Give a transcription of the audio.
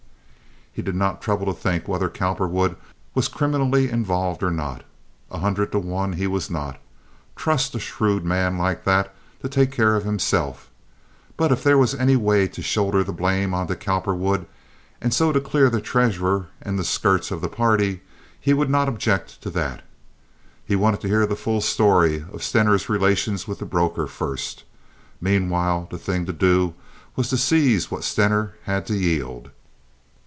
He did not trouble to think whether Cowperwood was criminally involved or not. A hundred to one he was not. Trust a shrewd man like that to take care of himself. But if there was any way to shoulder the blame on to Cowperwood, and so clear the treasurer and the skirts of the party, he would not object to that. He wanted to hear the full story of Stener's relations with the broker first. Meanwhile, the thing to do was to seize what Stener had to yield.